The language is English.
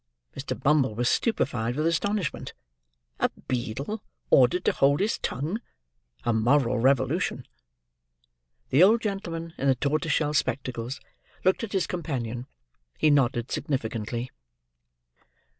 Mr. Bumble was stupefied with astonishment. A beadle ordered to hold his tongue! A moral revolution! The old gentleman in the tortoise shell spectacles looked at his companion, he nodded significantly.